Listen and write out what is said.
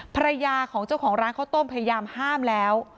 ภรรยาของเจ้าของร้านข้าวต้มพยายามห้ามแล้ว